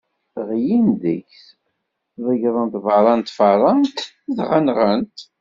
Ɣlin deg-s, ḍeggren-t beṛṛa n tfeṛṛant dɣa nɣan-t.